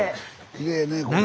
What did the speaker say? きれいねこれ。